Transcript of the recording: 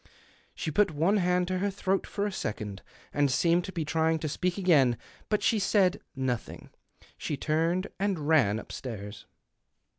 She put one hand to her throat for a second, and seemed to he trying to speak again. But she said nothing ; she turned and ran upstairs.